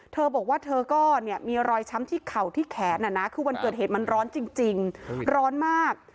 เธอบอกว่าเธอก็มีรอยช้ำที่เข่าที่แขนคือวันเกิดเหตุมันร้อนจริงร้อนมาก